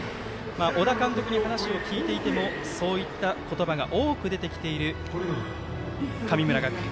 小田監督に話を聞いていてもそういった言葉が多く出てきている神村学園。